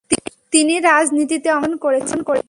তিনি রাজনীতিতে অংশগ্রহণ করেছেন।